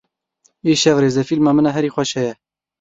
Îşev rêzefîlma min a herî xweş heye.